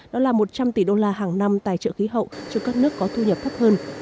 đó là một trăm linh tỷ đô la hàng năm tài trợ khí hậu cho các nước có thu nhập thấp hơn